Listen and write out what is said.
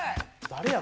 誰や？